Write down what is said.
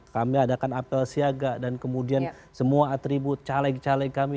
kami adakan apel siaga dan kemudian semua atribut caleg caleg kami